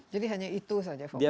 jadi hanya itu saja